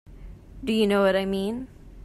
Do you know what I mean?